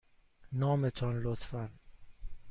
نام تان، لطفاً.